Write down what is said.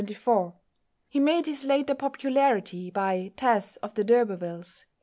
He made his later popularity by "Tess of the D'Urbervilles" (1892).